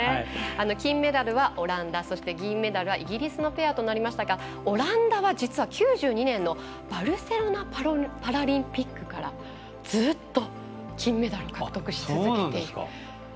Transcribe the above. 金メダルはオランダそして銀メダルはイギリスのペアとなりましたがオランダは実は９２年のバルセロナパラリンピックからずっと、金メダルを獲得し続けていると。